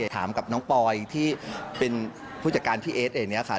ถามกับน้องปอยที่เป็นผู้จัดการพี่เอ๊กส์